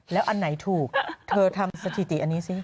แล้วอันไหนถูกเธอทำสถิติอันนี้สิ